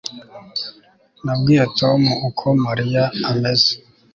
Nabwiye Tom uko Mariya ameze